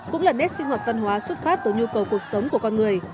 cũng là nét sinh hoạt văn hóa xuất phát từ nhu cầu cuộc sống của con người